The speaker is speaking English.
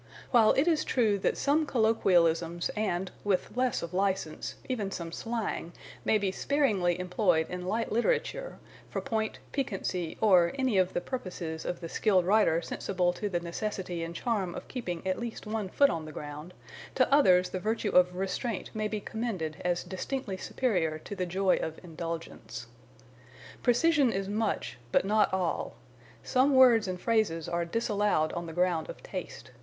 While it is true that some colloquialisms and, with less of license, even some slang, may be sparingly employed in light literature, for point, piquancy or any of the purposes of the skilled writer sensible to the necessity and charm of keeping at least one foot on the ground, to others the virtue of restraint may be commended as distinctly superior to the joy of indulgence. Precision is much, but not all; some words and phrases are disallowed on the ground of taste.